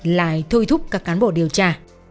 lại thôi thúc các cán bộ điều tra